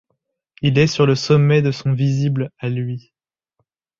Il est sur le sommet de son visible à lui ;